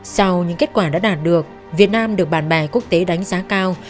sau những kết quả đã đạt được việt nam được bàn bài quốc tế đánh giá cao